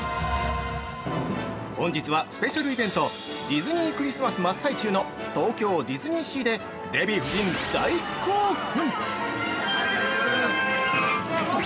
本日は、スペシャルイベント「ディズニー・クリスマス」真っ最中の東京ディズニーシーでデヴィ夫人大興奮！